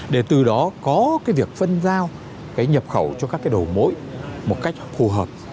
để từ đó có cái việc phân giao cái nhập khẩu cho các cái đầu mối một cách phù hợp